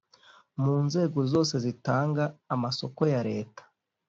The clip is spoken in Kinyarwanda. Mu nzego zose zitanga amasoko ya Leta